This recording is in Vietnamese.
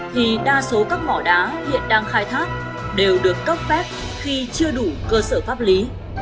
thì đa số các mỏ đá hiện đang khai thác đều được cấp phép khi chưa đủ cơ sở pháp lý